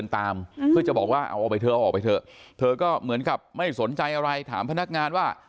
เธอออกไปเถอะเธอก็เหมือนกับไม่สนใจอะไรถามพนักงานว่า